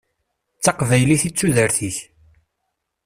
D taqbaylit i d tudert-ik.